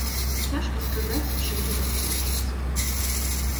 Цяжка сказаць, чым гэта скончыцца.